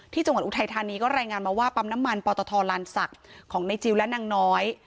ที่จังหวัดอุทัยธานีก็แรงงานมาว่าปั๊มน้ำมันปตลสักของในจิลและนางน้อย